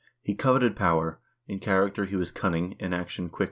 He coveted power; in character he was cunning, in action quick and energetic.